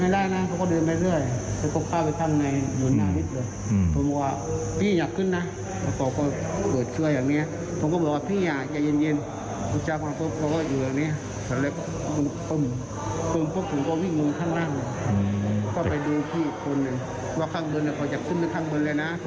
แล้วก็ยิงขึ้นนะเมื่อกี้